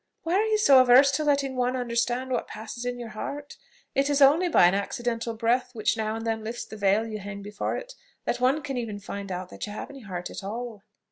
Why are you so averse to letting one understand what passes in your heart? It is only by an accidental breath, which now and then lifts the veil you hang before it, that one can even find out you have any heart at all."